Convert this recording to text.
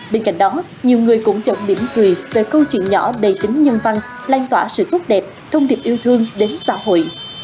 bên cạnh đó nhiều người cũng chọn điểm quỳ về câu chuyện nhỏ đầy tính nhân văn lan tỏa sự tốt đẹp thông điệp yêu thương đến xã hội